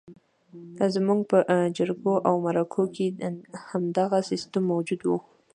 زموږ پر جرګو او مرکو کې همدغه سیستم موجود وو.